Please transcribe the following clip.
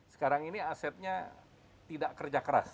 sekarang ini asetnya tidak kerja keras